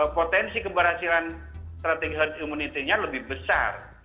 potensi keberhasilan strategic herd immunity nya lebih besar